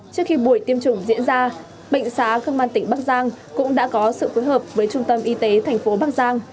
trước khi buổi tiêm chủng diễn ra bệnh xá công an tỉnh bắc giang cũng đã có sự phối hợp với trung tâm y tế thành phố bắc giang